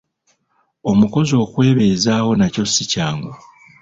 Omukazi okwebeezaawo nakyo si kyangu.